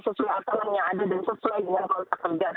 sesuai akal yang ada dan sesuai dengan kontrak kerja